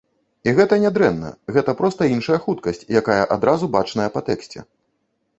І гэта не дрэнна, гэта проста іншая хуткасць, якая адразу бачная па тэксце.